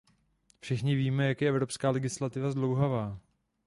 Všichni víme, jak je evropská legislativa zdlouhavá.